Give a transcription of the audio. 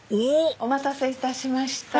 お待たせいたしました。